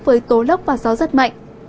với tố lốc và gió giật mạnh